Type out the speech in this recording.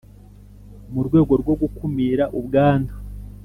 Mu rwego rwo gukumira ubwandu